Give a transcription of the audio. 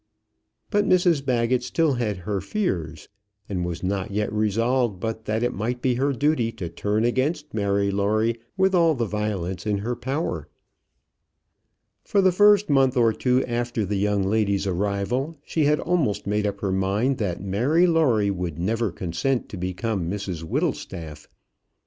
But Mrs Baggett still had her fears; and was not yet resolved but that it might be her duty to turn against Mary Lawrie with all the violence in her power. For the first month or two after the young lady's arrival, she had almost made up her mind that Mary Lawrie would never consent to become Mrs Whittlestaff.